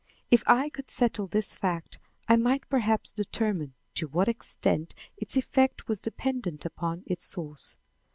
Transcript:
If I could settle this fact I might perhaps determine to what extent its effect was dependent upon its source.